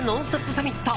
サミット。